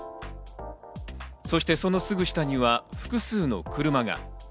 そしてそのすぐ下には複数の車が。